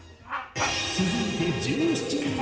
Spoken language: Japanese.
続いて１７人目。